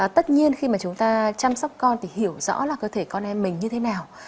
tất nhiên khi mà chúng ta chăm sóc con thì hiểu rõ là cơ thể con em mình như thế nào